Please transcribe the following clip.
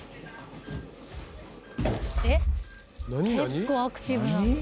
結構アクティブな」